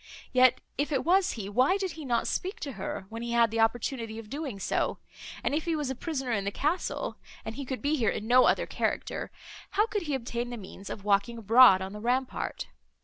Yet, if it was he, why did he not speak to her, when he had the opportunity of doing so—and, if he was a prisoner in the castle, and he could be here in no other character, how could he obtain the means of walking abroad on the rampart?